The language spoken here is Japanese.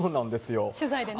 取材でね。